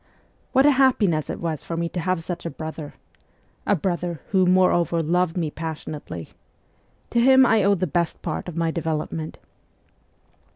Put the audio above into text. What a happiness it was for me to have such a brother ! a brother who, more over, loved me passionately. To him I owe the best part of my development.